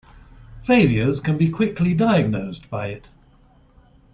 Failures can be quickly diagnosed by it.